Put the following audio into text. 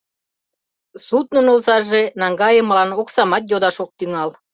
Суднын озаже наҥгайымылан оксамат йодаш ок тӱҥал.